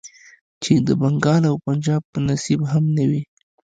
چې د بنګال او پنجاب په نصيب هم نه وې.